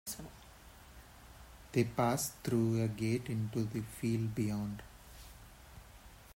They had passed through a gate into the field beyond.